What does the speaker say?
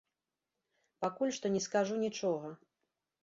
Пакуль што не скажу нічога.